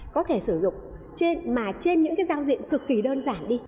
có thể sử dụng trên những giao diện cực kỳ đơn giản đi